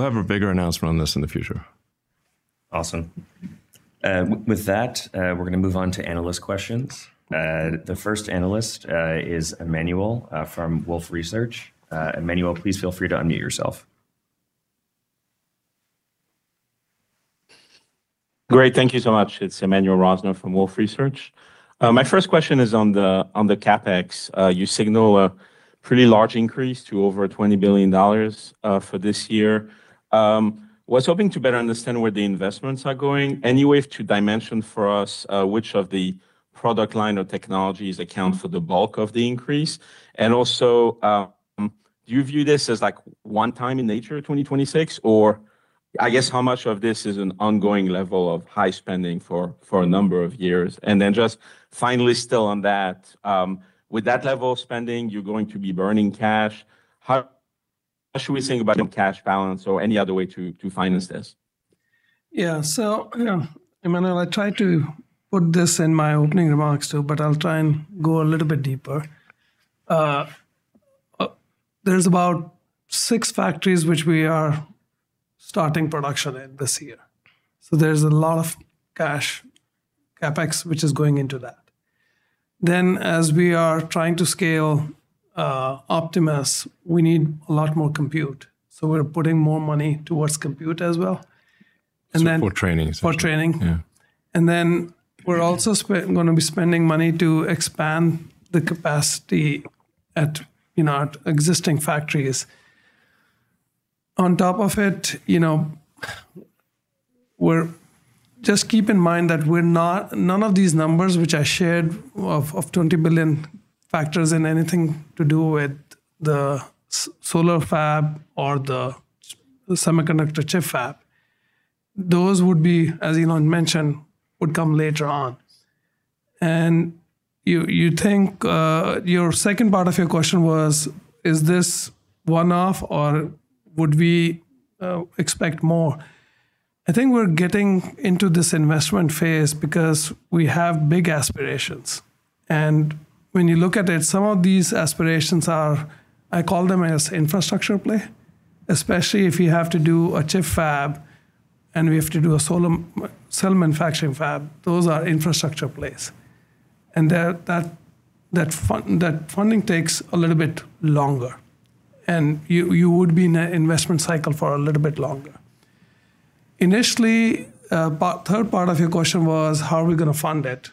have a bigger announcement on this in the future. Awesome. With that, we're gonna move on to analyst questions. The first analyst is Emmanuel from Wolfe Research. Emmanuel, please feel free to unmute yourself. Great. Thank you so much. It's Emmanuel Rosner from Wolfe Research. My first question is on the CapEx. You signal a pretty large increase to over $20 billion for this year. Was hoping to better understand where the investments are going. Any way of two-dimension for us, which of the product line or technologies account for the bulk of the increase? And also, do you view this as, like, one-time in nature, 2026, or I guess, how much of this is an ongoing level of high spending for a number of years? And then just finally, still on that, with that level of spending, you're going to be burning cash. How, what should we think about your cash balance or any other way to finance this? Yeah. So, yeah, Emmanuel, I tried to put this in my opening remarks, too, but I'll try and go a little bit deeper. There's about six factories which we are starting production in this year, so there's a lot of cash CapEx, which is going into that. Then, as we are trying to scale Optimus, we need a lot more compute, so we're putting more money towards compute as well. For training. For training. Yeah. Then we're also gonna be spending money to expand the capacity at, you know, at existing factories. On top of it, you know, just keep in mind that we're not-- none of these numbers, which I shared of $20 billion factor in anything to do with the solar fab or the semiconductor chip fab. Those would be, as Elon mentioned, would come later on. And you think your second part of your question was, is this one-off or would we expect more? I think we're getting into this investment phase because we have big aspirations. And when you look at it, some of these aspirations are, I call them as infrastructure play, especially if you have to do a chip fab and we have to do a solar cell manufacturing fab, those are infrastructure plays. And that funding takes a little bit longer, and you would be in an investment cycle for a little bit longer. Initially, third part of your question was: How are we gonna fund it?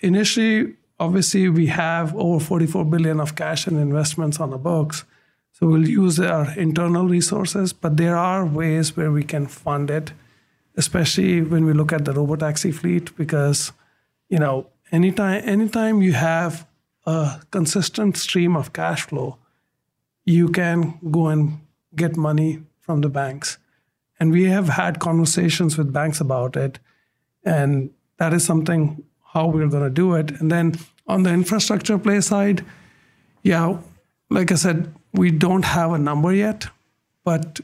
Initially, obviously, we have over $44 billion of cash and investments on the books, so we'll use our internal resources, but there are ways where we can fund it, especially when we look at the robotaxi fleet, because, you know, anytime you have a consistent stream of cash flow, you can go and get money from the banks. And we have had conversations with banks about it, and that is something how we're gonna do it. And then on the infrastructure play side, yeah, like I said, we don't have a number yet, but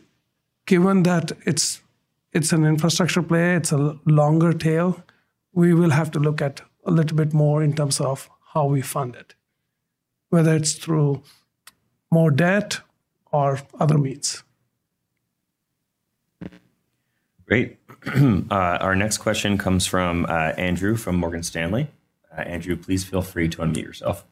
given that it's an infrastructure play, it's a longer tail, we will have to look at a little bit more in terms of how we fund it, whether it's through more debt or other means. Great. Our next question comes from, Andrew, from Morgan Stanley. Andrew, please feel free to unmute yourself.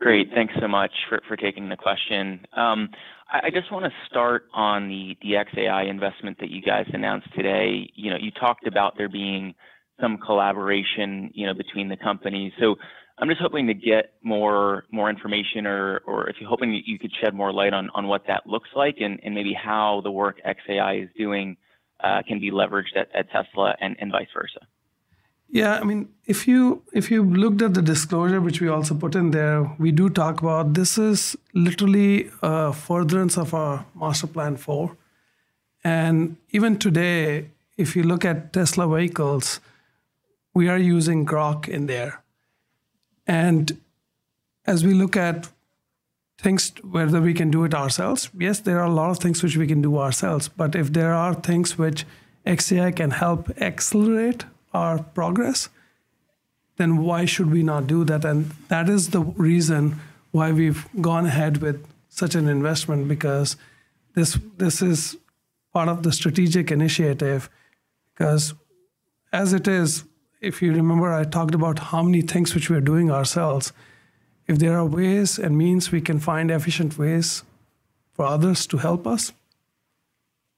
Great. Thanks so much for taking the question. I just wanna start on the xAI investment that you guys announced today. You know, you talked about there being some collaboration, you know, between the companies. So I'm just hoping to get more information or if you're hoping that you could shed more light on what that looks like and maybe how the work xAI is doing can be leveraged at Tesla and vice versa? Yeah, I mean, if you looked at the disclosure, which we also put in there, we do talk about this is literally a furtherance of our Master Plan Four. And even today, if you look at Tesla vehicles, we are using Grok in there. And as we look at things, whether we can do it ourselves, yes, there are a lot of things which we can do ourselves, but if there are things which xAI can help accelerate our progress, then why should we not do that? And that is the reason why we've gone ahead with such an investment, because this is part of the strategic initiative. 'Cause as it is, if you remember, I talked about how many things which we are doing ourselves. If there are ways and means we can find efficient ways for others to help us,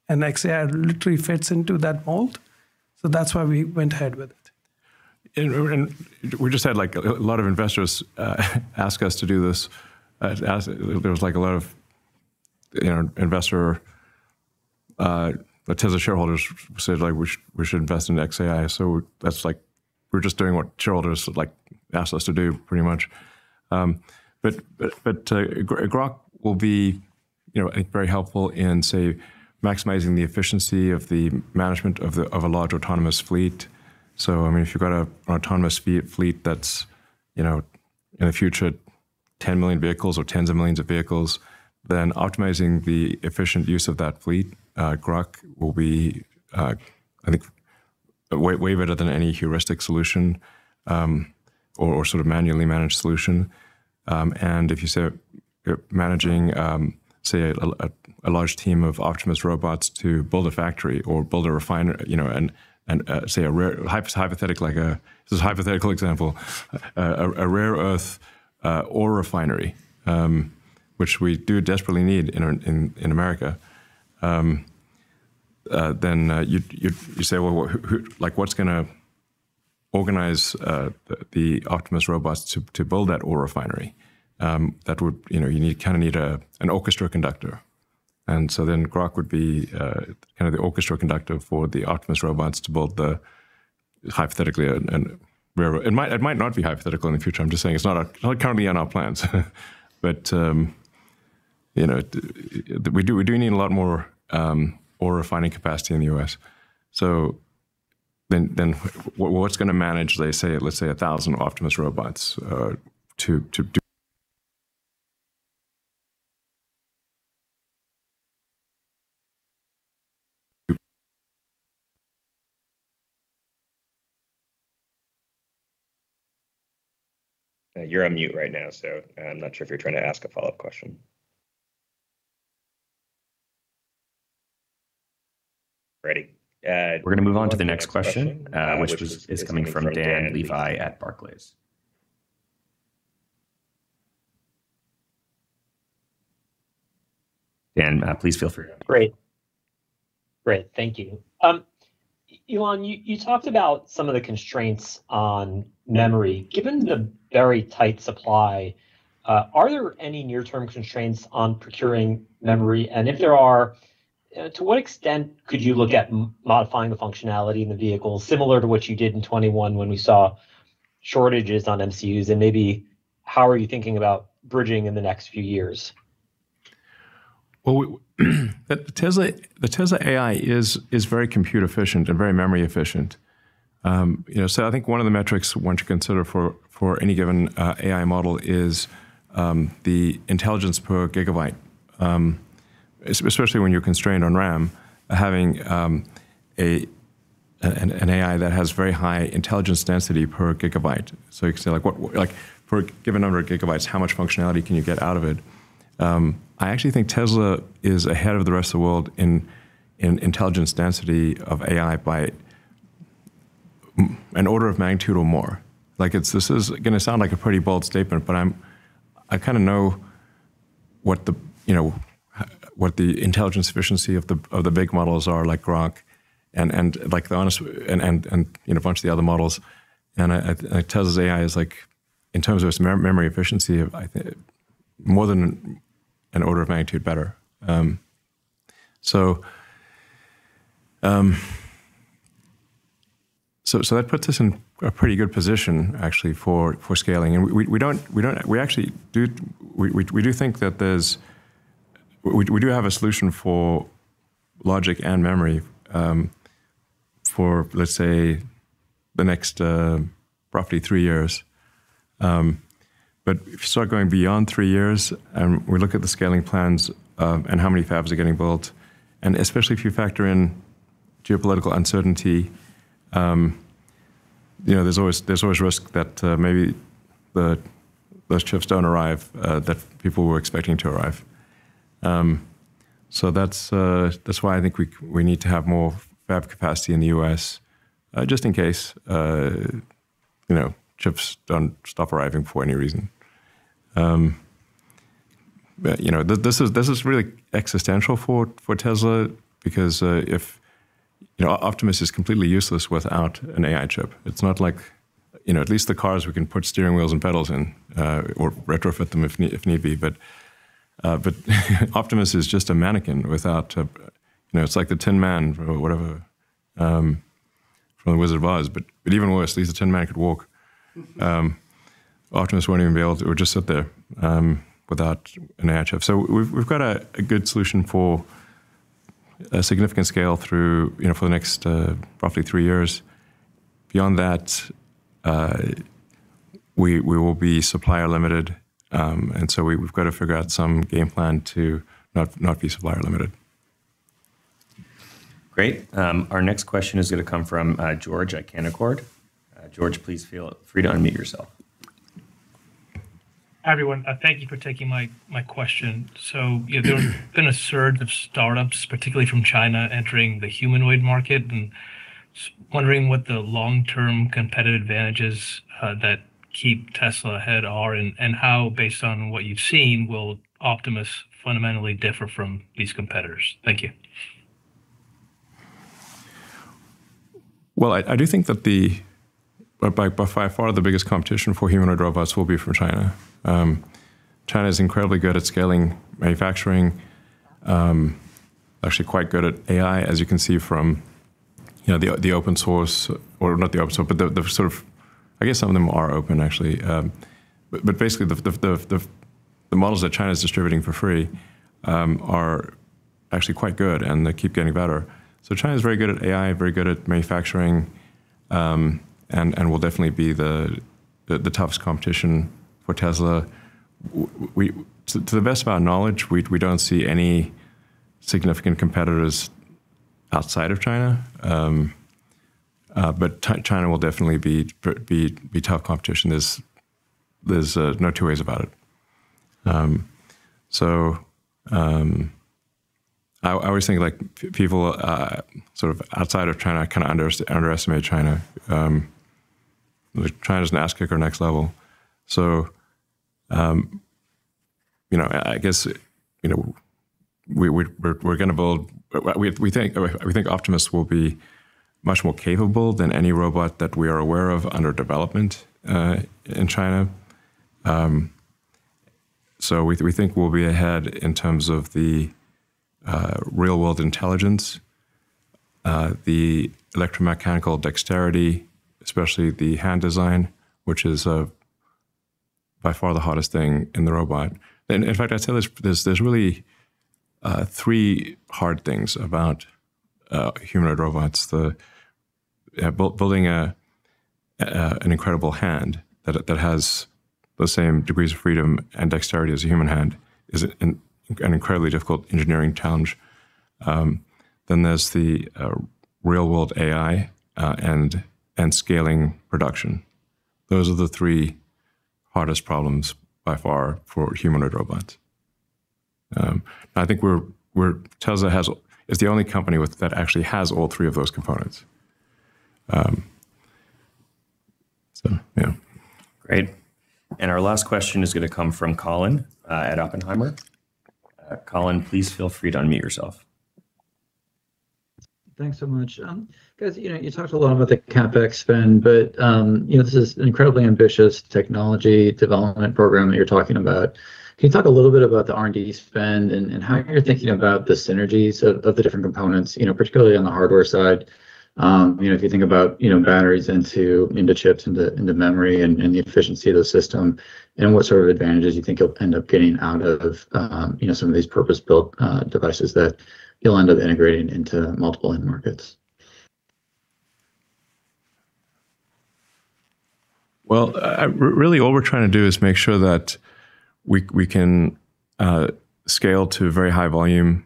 and xAI literally fits into that mold, so that's why we went ahead with it. We just had, like, a lot of investors ask us to do this. There was, like, a lot of, you know, investor Tesla shareholders said, like, we should invest in xAI. So that's like, we're just doing what shareholders, like, asked us to do, pretty much. Grok will be, you know, I think, very helpful in, say, maximizing the efficiency of the management of a large autonomous fleet. So, I mean, if you've got a autonomous fleet that's, you know, in the future, 10 million vehicles or tens of millions of vehicles, then optimizing the efficient use of that fleet, Grok will be, I think, way, way better than any heuristic solution, or sort of manually managed solution. And if you say you're managing, say, a large team of Optimus robots to build a factory or build a refinery, you know, and, say, hypothetic, like a... This is a hypothetical example, a rare earth ore refinery, which we do desperately need in our, in, America. Then, you'd, you say, "Well, who like, what's gonna organize, the Optimus robots to build that ore refinery?" That would. You know, you need, kind of need a, an orchestra conductor. And so then Grok would be, kind of the orchestra conductor for the Optimus robots to build the, hypothetically, an, a rare. It might, it might not be hypothetical in the future. I'm just saying it's not, not currently in our plans. But, you know, we do need a lot more ore refining capacity in the U.S. So then, what, what's gonna manage, let's say, 1,000 Optimus robots, to do- You're on mute right now, so I'm not sure if you're trying to ask a follow-up question. We're gonna move on to the next question, which is coming from Dan Levy at Barclays. Great. Great, thank you. Elon, you talked about some of the constraints on memory. Given the very tight supply, are there any near-term constraints on procuring memory? And if there are, to what extent could you look at modifying the functionality in the vehicles, similar to what you did in 2021 when we saw shortages on MCUs, and maybe how are you thinking about bridging in the next few years? Well, the Tesla AI is very compute efficient and very memory efficient. You know, so I think one of the metrics one should consider for any given AI model is the intelligence per gigabyte. Especially when you're constrained on RAM, having an AI that has very high intelligence density per gigabyte. So you can say, like, what—like, for a given number of gigabytes, how much functionality can you get out of it? I actually think Tesla is ahead of the rest of the world in intelligence density of AI by an order of magnitude or more. Like, this is gonna sound like a pretty bold statement, but I kind of know what the, you know, what the intelligence efficiency of the, of the big models are like Grok and, like, honestly, and you know, a bunch of the other models. And Tesla's AI is like, in terms of its memory efficiency, I think more than an order of magnitude better. So that puts us in a pretty good position, actually, for scaling. And we do think that there is. We do have a solution for logic and memory, for, let's say, the next roughly three years. But if you start going beyond three years, and we look at the scaling plans, and how many fabs are getting built, and especially if you factor in geopolitical uncertainty, you know, there's always, there's always risk that, maybe the, those chips don't arrive, that people were expecting to arrive. So that's, that's why I think we, we need to have more fab capacity in the U.S., just in case, you know, chips don't stop arriving for any reason. But, you know, this, this is, this is really existential for, for Tesla, because, if... You know, Optimus is completely useless without an AI chip. It's not like- you know, at least the cars, we can put steering wheels and pedals in, or retrofit them if need be. But, but Optimus is just a mannequin without, you know, it's like the Tin Man or whatever from The Wizard of Oz, but, but even worse, at least the Tin Man could walk. Optimus won't even be able to - it would just sit there without an AI chip. So we've got a good solution for a significant scale through, you know, for the next roughly three years. Beyond that, we will be supplier limited, and so we've got to figure out some game plan to not be supplier limited. Great. Our next question is gonna come from George at Canaccord. George, please feel free to unmute yourself. Hi, everyone. Thank you for taking my question. So, yeah, there's been a surge of startups, particularly from China, entering the humanoid market, and just wondering what the long-term competitive advantages that keep Tesla ahead are, and how, based on what you've seen, will Optimus fundamentally differ from these competitors? Thank you. Well, I do think that by far the biggest competition for humanoid robots will be from China. China is incredibly good at scaling manufacturing. Actually quite good at AI, as you can see from, you know, the open source or not the open source, but the sort of—I guess some of them are open, actually. But basically, the models that China is distributing for free are actually quite good, and they keep getting better. So China is very good at AI, very good at manufacturing, and will definitely be the toughest competition for Tesla. To the best of our knowledge, we don't see any significant competitors outside of China. But China will definitely be tough competition. There's no two ways about it. So, I always think, like, people sort of outside of China kind of underestimate China. China's an ass kicker next level. So, you know, I guess, you know, we're gonna build. We think Optimus will be much more capable than any robot that we are aware of under development in China. So we think we'll be ahead in terms of the real-world intelligence, the electromechanical dexterity, especially the hand design, which is by far the hardest thing in the robot. And in fact, I'd say there's really three hard things about humanoid robots. Building an incredible hand that has the same degrees of freedom and dexterity as a human hand is an incredibly difficult engineering challenge. Then there's the real-world AI and scaling production. Those are the three hardest problems by far for humanoid robots. I think Tesla is the only company that actually has all three of those components. So yeah. Great. And our last question is gonna come from Colin, at Oppenheimer. Colin, please feel free to unmute yourself. Thanks so much. Guys, you know, you talked a lot about the CapEx spend, but, you know, this is an incredibly ambitious technology development program that you're talking about. Can you talk a little bit about the R&D spend and how you're thinking about the synergies of the different components, you know, particularly on the hardware side? You know, if you think about, you know, batteries into chips into memory, and the efficiency of the system, and what sort of advantages you think you'll end up getting out of, you know, some of these purpose-built devices that you'll end up integrating into multiple end markets? Well, really what we're trying to do is make sure that we can scale to very high volume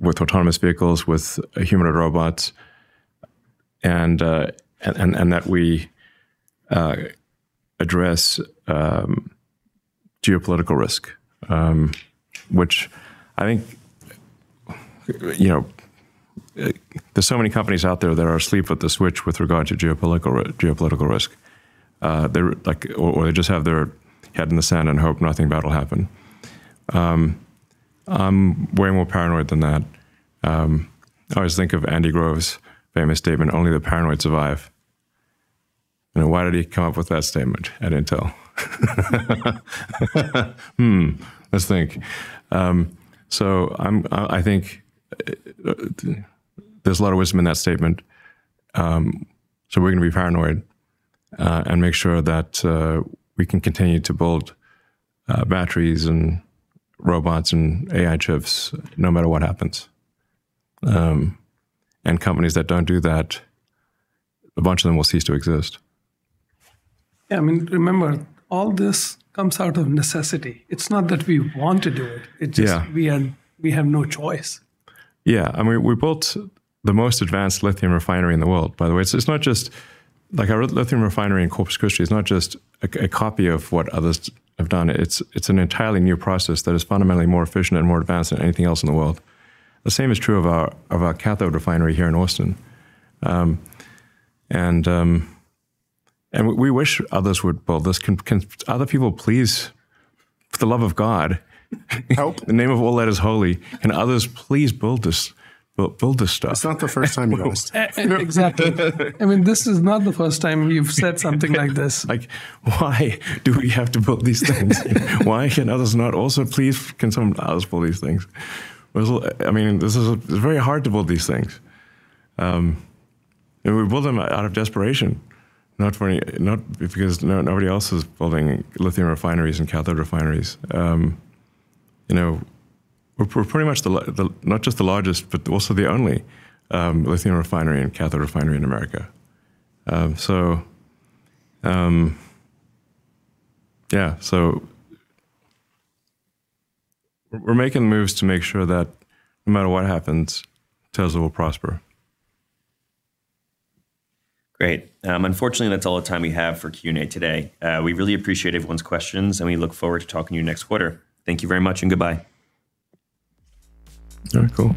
with autonomous vehicles, with humanoid robots, and that we address geopolitical risk. Which I think, you know, there's so many companies out there that are asleep at the switch with regard to geopolitical risk. They're like... or they just have their head in the sand and hope nothing bad will happen. I'm way more paranoid than that. I always think of Andy Grove's famous statement, "Only the paranoid survive." You know, why did he come up with that statement at Intel? Hmm, let's think. So I think there's a lot of wisdom in that statement. So we're gonna be paranoid and make sure that we can continue to build batteries and robots and AI chips no matter what happens. And companies that don't do that, a bunch of them will cease to exist. Yeah, I mean, remember, all this comes out of necessity. It's not that we want to do it- Yeah it's just we have, we have no choice. Yeah, I mean, we built the most advanced lithium refinery in the world, by the way. So it's not just... Like, our lithium refinery in Corpus Christi is not just a copy of what others have done. It's an entirely new process that is fundamentally more efficient and more advanced than anything else in the world. The same is true of our cathode refinery here in Austin. And we wish others would build this. Can other people please, for the love of God, - Help in the name of all that is holy, can others please build this, build this stuff? It's not the first time you asked. Exactly. I mean, this is not the first time you've said something like this. Like, why do we have to build these things? Why can others not also please, can someone else build these things? Well, I mean, this is a, it's very hard to build these things. And we build them out of desperation, not because nobody else is building lithium refineries and cathode refineries. You know, we're pretty much the largest, not just the largest, but also the only lithium refinery and cathode refinery in America. So, yeah. So we're making moves to make sure that no matter what happens, Tesla will prosper. Great. Unfortunately, that's all the time we have for Q&A today. We really appreciate everyone's questions, and we look forward to talking to you next quarter. Thank you very much, and goodbye. Very cool.